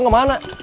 tunggu udah beli